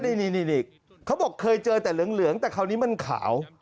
นี่นี่นี่นี่เขาบอกเคยเจอแต่เหลืองเหลืองแต่คราวนี้มันขาว